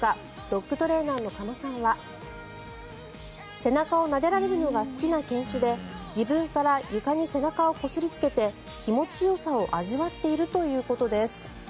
ドッグトレーナーの鹿野さんは背中をなでられるのが好きな犬種で自分から床に背中をこすりつけて気持ちよさを味わっているということです。